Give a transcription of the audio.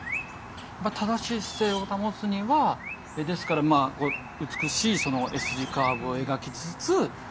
正しい姿勢を保つにはですから美しいＳ字カーブを描きつつ余計な力は使わないと。